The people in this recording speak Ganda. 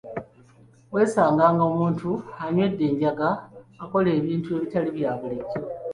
Weesanga nga omuntu anywedde enjaga akola ebintu ebitali bya bulijjo.